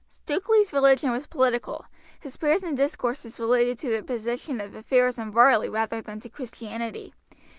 Stukeley's religion was political; his prayers and discourses related to the position of affairs in Varley rather than to Christianity.